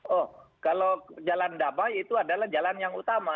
oh kalau jalan damai itu adalah jalan yang utama